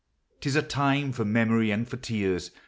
'T is a time For memory and for tears.